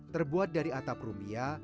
terbuat dari atap rumbia